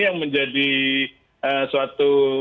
yang menjadi suatu